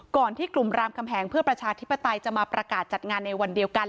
ก่อนที่กลุ่มรามคำแหงเพื่อประชาธิปไตยจะมาประกาศจัดงานในวันเดียวกัน